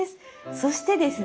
そしてですね